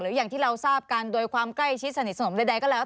อย่างที่เราทราบกันโดยความใกล้ชิดสนิทสนมใดก็แล้ว